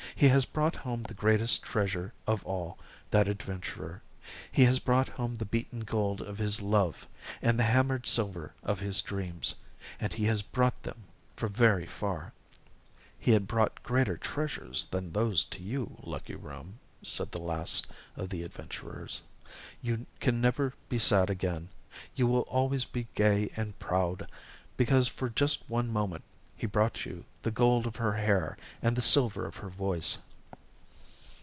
"He has brought home the greatest treasure of all, that adventurer. He has brought home the beaten gold of his love, and the hammered silver of his dreams and he has brought them from very far." "He had brought greater treasures than those to you, lucky room," said the last of the adventurers. "You can never be sad again you will always be gay and proud because for just one moment he brought you the gold of her hair and the silver of her voice."